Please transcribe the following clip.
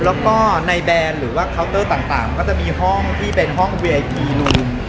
แล้วก็ในแบรนด์หรือว่าเคาน์เตอร์ต่างมันก็จะมีห้องที่เป็นห้องเวทีนูน